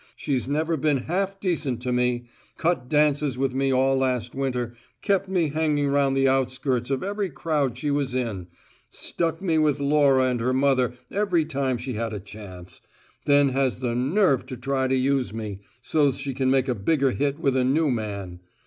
She's never been half decent to me; cut dances with me all last winter; kept me hanging round the outskirts of every crowd she was in; stuck me with Laura and her mother every time she had a chance; then has the nerve to try to use me, so's she can make a bigger hit with a new man!